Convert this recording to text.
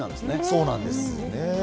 そうなんです。